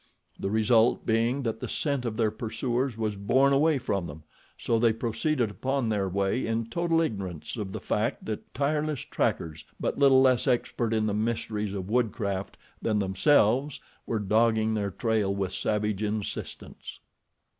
The result being that the scent of their pursuers was borne away from them, so they proceeded upon their way in total ignorance of the fact that tireless trackers but little less expert in the mysteries of woodcraft than themselves were dogging their trail with savage insistence.